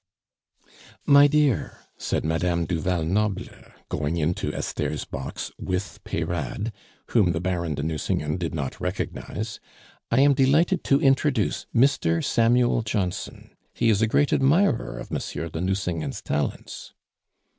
"My dear," said Madame du Val Noble, going into Esther's box with Peyrade, whom the Baron de Nucingen did not recognize, "I am delighted to introduce Mr. Samuel Johnson. He is a great admirer of M. de Nucingen's talents."